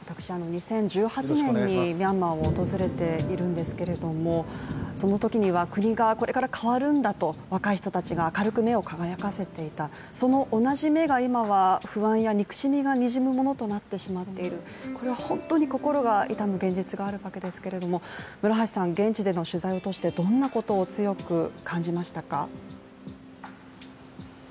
２０１８年にミャンマーを訪れているんですがそのときには国がこれから変わるんだと若い人たちが目を輝かせていた、その同じ目が今は不安や憎しみがにじむものとなってしまっているこれは本当に心が痛む現実があるわけですけれども村橋さん、現地での取材を通してどんなことを強く感じましたか？